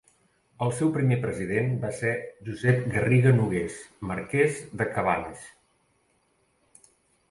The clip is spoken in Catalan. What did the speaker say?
El seu primer president va ser Josep Garriga-Nogués, marqués de Cabanes.